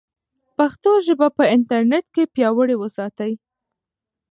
پښتو ژبه په انټرنیټ کې پیاوړې وساتئ.